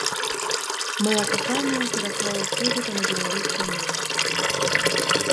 Мая каханая пераклала ўсё гэта на беларускую мову.